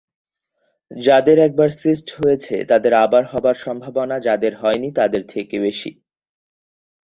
যাদের একবার সিস্ট হয়েছে, তাদের আবার হবার সম্ভাবনা যাদের হয়নি তাদের থেকে বেশি।